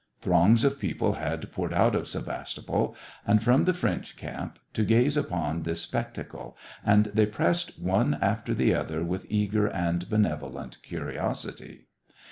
Throngs of people had poured out of Sevastopol, and from the French camp, to gaze upon this spectacle, and they pressed one after the other with eager and benevolent curiosity.